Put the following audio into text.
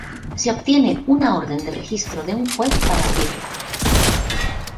Se obtiene una orden de registro de un juez para abrirla.